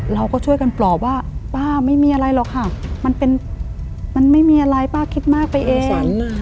เราก็ช่วยกันปลอบว่าป้าไม่มีอะไรหรอกค่ะมันเป็นมันไม่มีอะไรป้าคิดมากไปเอง